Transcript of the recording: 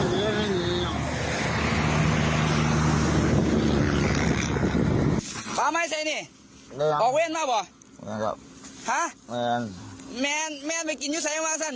พามาให้ใส่นี่ออกเวทมาหรอครับฮะแมนแมนแมนไปกินอยู่ใส่ไว้ว่าซักนิด